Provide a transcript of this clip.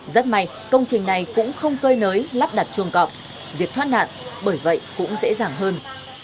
rất may công trình này cũng không cơi nới lắp đặt chuồng cọp việc thoát nạn bởi vậy cũng dễ dàng hơn